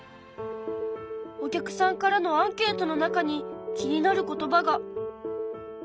お客さんからのアンケートの中に気になる言葉が。